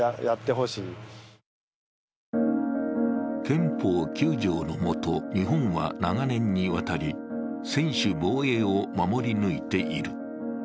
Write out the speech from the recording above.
憲法９条の下、日本は長年にわたり専守防衛を守り抜いている。